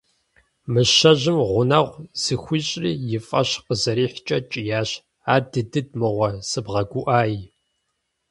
Мыщэжьым гъунэгъу зыхуищӏри и фӏэщ къызэрихькӏэ кӏиящ: «Адыдыд мыгъуэ сыбгъэгуӏай».